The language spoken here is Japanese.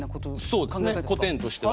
そうですね古典としては。